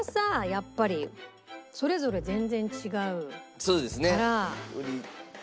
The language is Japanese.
やっぱりそれぞれ全然違うから。